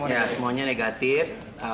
ya semuanya negatif